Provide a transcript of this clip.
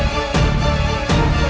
raja ibu nda